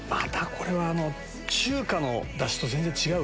これは中華のダシと全然違うから。